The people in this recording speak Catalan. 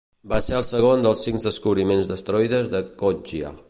Va ser el segon dels cinc descobriments d'asteroides de Coggia.